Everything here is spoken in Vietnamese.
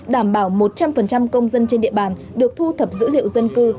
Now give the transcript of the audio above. đảm bảo một trăm linh công dân trên địa bàn được thu thập dữ liệu dân cư